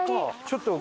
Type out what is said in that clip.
ちょっと。